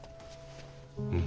うん。